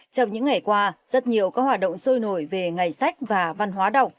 trong những ngày qua rất nhiều các hoạt động sôi nổi về ngày sách và văn hóa đọc